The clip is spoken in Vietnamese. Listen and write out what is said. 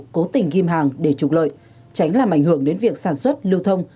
cố tình ghim hàng để trục lợi tránh làm ảnh hưởng đến việc sản xuất lưu thông